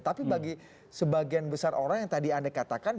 tapi bagi sebagian besar orang yang tadi anda katakan